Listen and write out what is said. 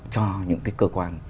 cho những cái cơ quan